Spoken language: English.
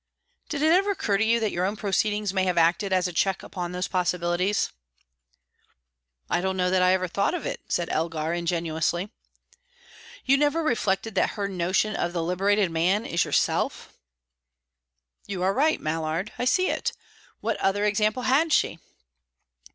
"Did it ever occur to you that your own proceedings may have acted as a check upon those possibilities?" "I don't know that I ever thought of it," said Elgar, ingenuously. "You never reflected that her notion of the liberated man is yourself?" "You are right, Mallard. I see it. What other example had she?"